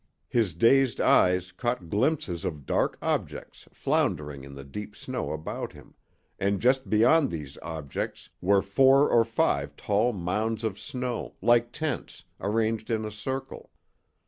His dazed eyes caught glimpses of dark objects floundering in the deep snow about him, and just beyond these objects were four or five tall mounds of snow, like tents, arranged in a circle.